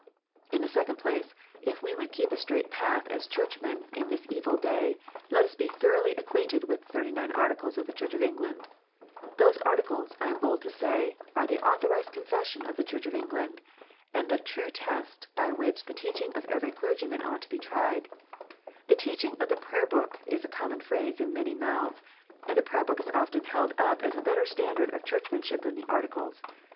(2) In the second place, if we would keep a straight path, as Churchmen, in this evil day, let us be thoroughly acquainted with the Thirty nine Articles of the Church of England. Those Articles, I am bold to say, are the authorized Confession of the Church of England, and the true test by which the teaching of every clergyman ought to be tried. The "teaching of the Prayer book" is a common phrase in many mouths, and the Prayer book is often held up as a better standard of Church manship than the Articles.